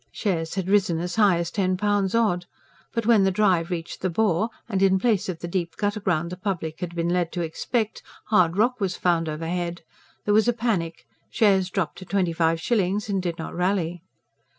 Shares had risen as high as ten pounds odd; but when the drive reached the bore and, in place of the deep gutter ground the public had been led to expect, hard rock was found overhead, there was a panic; shares dropped to twenty five shillings and did not rally.